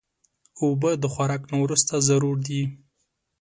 اوبه د خوراک نه وروسته ضرور دي.